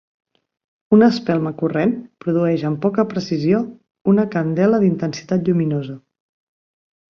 Una espelma corrent produïx amb poca precisió una candela d'intensitat lluminosa.